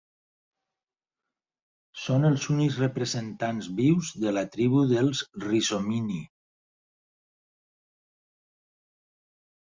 Són els únics representants vius de la tribu dels Rhizomyini.